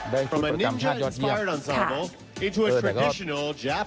ได้ชุดประกำภาพยอดเยี่ยม